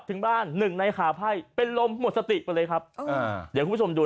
ถึงบ้านหนึ่งในขาไพ่เป็นลมหมดสติไปเลยครับอ่าเดี๋ยวคุณผู้ชมดู